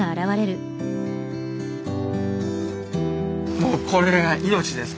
もうこれが命ですから。